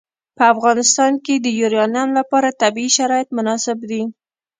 په افغانستان کې د یورانیم لپاره طبیعي شرایط مناسب دي.